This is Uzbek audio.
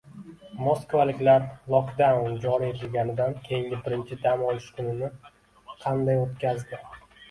Moskvaliklar lokdaun joriy etilganidan keyingi birinchi dam olish kunini qanday o‘tkazdi?